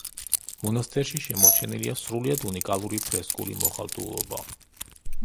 მონასტერში შემორჩენილია სრულიად უნიკალური ფრესკული მოხატულობა.